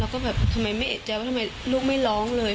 ก็แบบทำไมไม่เอกใจว่าทำไมลูกไม่ร้องเลย